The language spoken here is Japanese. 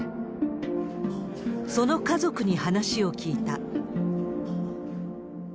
その家族に話を聞いた。